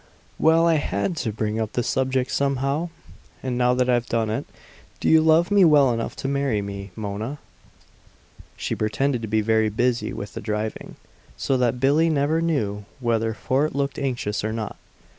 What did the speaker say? "Well, I had to bring up the subject somehow. And now that I've done it do you love me well enough to marry me, Mona?" She pretended to be very busy with the driving; so that Billie never knew whether Fort looked anxious or not.